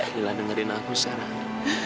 lila dengerin aku sekarang